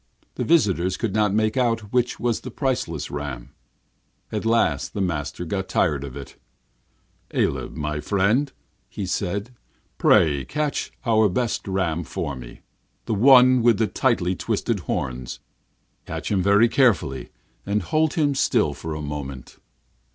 The visitors could not make out which was the priceless ram. At last the master got tired of it. 'Aleb, dear friend,' he said, 'pray catch our best ram for me, the one with the tightly twisted horns. Catch him very carefully, and hold him still for a moment.'